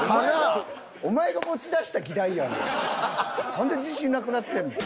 何で自信なくなってんねん。